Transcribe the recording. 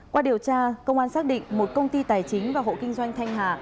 qua điều tra công an xác định một công ty tài chính và hộ kinh doanh thanh hà